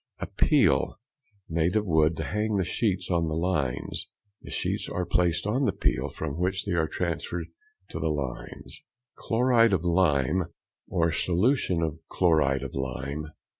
A peel, made of wood, to hang the sheets on the lines. The sheets are placed on the peel, from which they are transferred to the lines. _Chloride of lime for solution of chloride of lime.